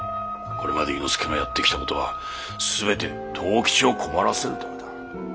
これまで猪之助がやってきた事は全て藤吉を困らせるためだ。